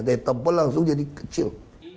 dari tebal langsung jadi kecil